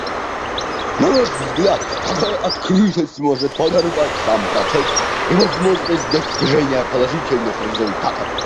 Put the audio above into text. На наш взгляд, такая открытость может подорвать сам процесс и возможность достижения положительных результатов.